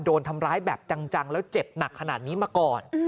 โดนทำร้ายแบบจังแล้วเจ็บหนักขนาดนี้มาก่อน